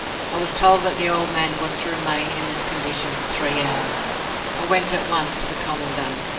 I was told that the old man was to remain in this condition for three hours. I went at once to the Commandant.